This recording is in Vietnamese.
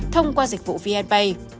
thông qua dịch vụ vnpay